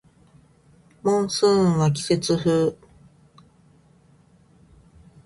モンスーンは季節風